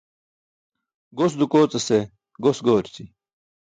Gos dukoocase gos goorći.